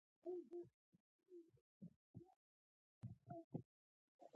باقي لکه مشهوره ده تاریخ دی